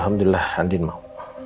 alhamdulillah andin mau